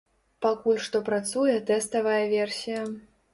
Пакуль што працуе тэставая версія.